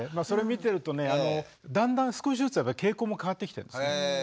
それ見てるとねだんだん少しずつやっぱり傾向も変わってきてるんですね。